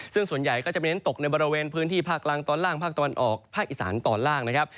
ซึ่งส่วนใหญ่ก็จะเน้นตกในบริเวณพื้นที่ภาคล่างตอนล่างภาคตะวันออกภาคอีสานตอนล่างนะครับ